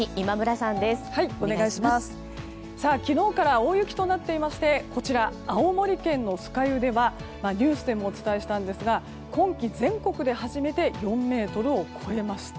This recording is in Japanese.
さあ、昨日から大雪となっていましてこちら、青森県の酸ヶ湯ではニュースでもお伝えしたんですが今季全国で初めて４ｍを超えました。